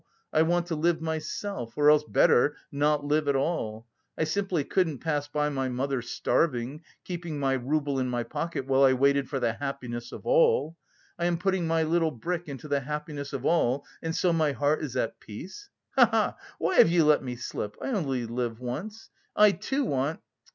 I want to live myself, or else better not live at all. I simply couldn't pass by my mother starving, keeping my rouble in my pocket while I waited for the 'happiness of all.' I am putting my little brick into the happiness of all and so my heart is at peace. Ha ha! Why have you let me slip? I only live once, I too want....